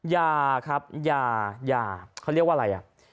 ยาครับยายาเขาเรียกว่าอะไรอ่ะ